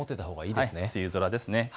梅雨空ですね。